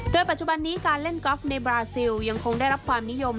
โดยปัจจุบันนี้การเล่นกอล์ฟในบราซิลยังคงได้รับความนิยม